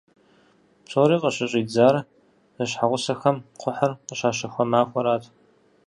Псори къыщыщӏидзар зэщхьэгъусэхэм кхъухьыр къыщащэхуа махуэрат.